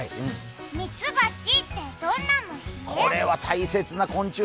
ミツバチってどんな虫？